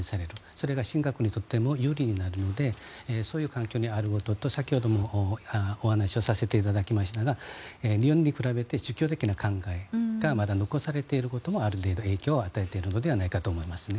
それが進学にとっても有利になるのでそういう環境にあることと先ほどもお話しさせていただきましたが日本に比べて儒教的な考えがまだ残されていることもある程度、影響を与えているのではないかと思いますね。